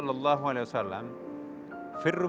firru min al mu'adilah